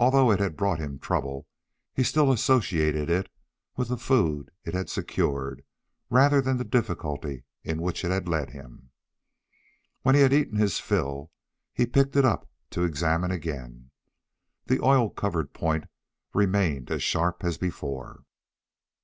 Although it had brought him trouble, he still associated it with the food it had secured rather than the difficulty into which it had led him. When he had eaten his fill, he picked it up to examine again. The oil covered point remained as sharp as before.